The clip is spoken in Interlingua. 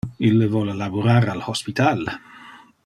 Ille vole laborar al hospital.